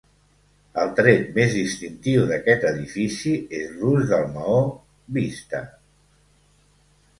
El tret més distintiu d'aquest edifici és l'ús del maó vista.